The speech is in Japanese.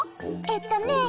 えっとねえ